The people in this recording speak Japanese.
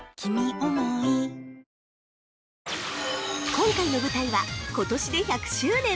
◆今回の舞台はことしで１００周年。